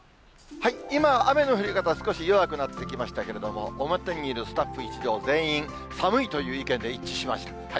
今、雨の降り方、少し弱くなってきましたけれども、表にいるスタッフ一同、全員、寒いという意見で一致しました。